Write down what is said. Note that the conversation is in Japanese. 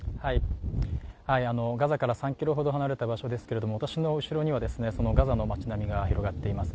ガザから３ｋｍほど離れた場所ですけれども私の後ろにはガザの町並みが広がっています。